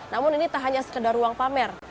namun ini tak hanya sekedar ruang pamer